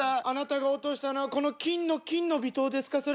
あなたが落としたのはこの金の「金の微糖」ですか？